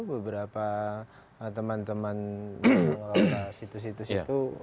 beberapa teman teman yang melakukan situs situs itu